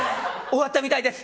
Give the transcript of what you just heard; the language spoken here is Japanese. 終わったみたいです。